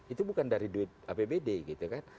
itu bukan dari duit apbd gitu kan